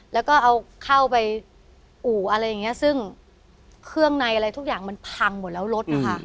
แล้วก็เอาเข้าไปอู่อะไรอย่างเงี้ยซึ่งเครื่องในอะไรทุกอย่างมันพังหมดแล้วรถนะคะ